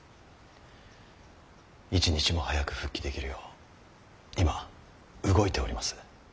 一日も早く復帰できるよう今動いております。